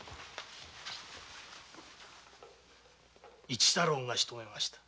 市太郎がしとめました。